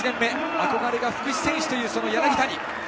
憧れが福士さんという柳谷。